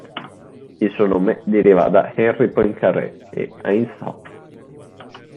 Il suo nome deriva da Henri Poincaré e Heinz Hopf.